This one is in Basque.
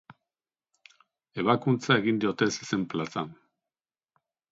Ebakuntza egin diote zezen-plazan.